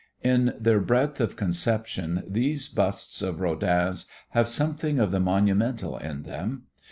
In their breadth of conception these busts of Rodin's have something of the monumental in them.